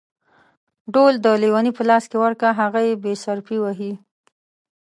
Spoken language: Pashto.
ډول د ليوني په لاس ورکه ، هغه يې بې صرفي وهي.